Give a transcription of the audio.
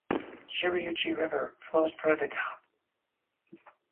Shiriuchi River flows through the town.